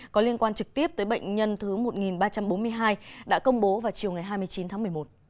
có liên quan trực tiếp tới bệnh nhân thứ một ba trăm bốn mươi hai đã công bố vào chiều ngày hai mươi chín tháng một mươi một